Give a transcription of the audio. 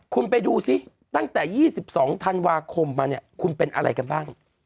คุณไปดูซิตั้งแต่๒๒ธันวาคมมาเนี่ยคุณเป็นอะไรกันบ้าง